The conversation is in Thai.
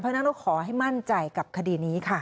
เพราะฉะนั้นเราขอให้มั่นใจกับคดีนี้ค่ะ